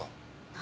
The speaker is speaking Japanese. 何？